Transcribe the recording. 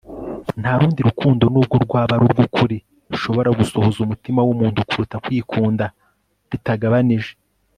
nta rundi rukundo nubwo rwaba ari urw'ukuri, rushobora gusohoza umutima w'umuntu kuruta kwikunda bitagabanije